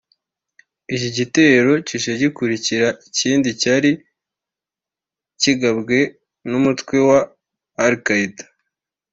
Iki gitero kije gikurikira ikindi cyari kigambwe n’umutwe wa Al-Qaida